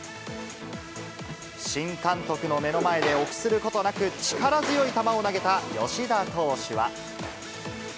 新監督の目の前で臆することなく力強い球を投げた吉田投手は。